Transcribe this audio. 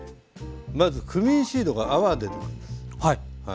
まずクミンシードが泡出てくるんです。